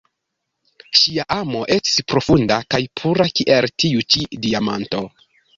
Ŝia amo estis profunda kaj pura, kiel tiu ĉi diamanto.